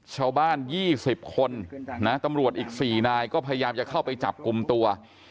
ชาวบ้าน๒๐คนนะตำรวจอีก๔นายก็พยายามจะเข้าไปจับกลุ่มตัว